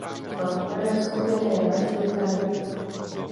Frontmanem skupiny je Matthew Kelly.